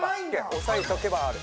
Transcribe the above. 押さえておけばある。